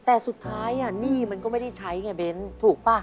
แต่สุดท้ายหนี้มันก็ไม่ได้ใช้ไงเบ้นถูกป่ะ